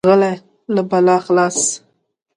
غلی، له بلا خلاص.